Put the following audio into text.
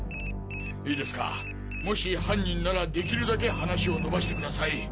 いいですかもし犯人ならできるだけ話をのばしてください。